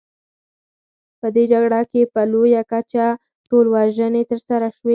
په دې جګړه کې په لویه کچه ټولوژنې ترسره شوې.